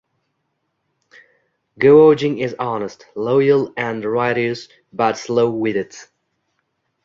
Guo Jing is honest, loyal and righteous, but slow-witted.